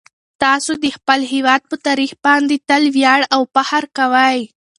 تاسو د خپل هیواد په تاریخ باندې تل ویاړ او فخر کوئ.